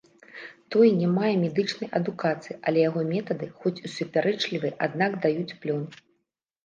Той не мае медычнай адукацыі, але яго метады хоць і супярэчлівыя, аднак даюць плён.